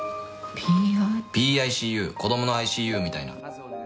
ＰＩＣＵ子どものＩＣＵみたいな。